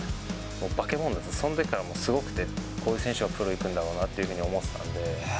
バケモン、そのときからもうすごくて、こういう選手がプロ行くんだろうなって思ってたんで。